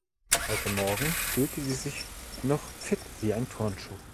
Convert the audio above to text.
Heute Morgen fühlte sie sich noch fit wie ein Turnschuh.